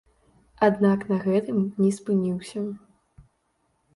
Аднак на гэтым не спыніўся.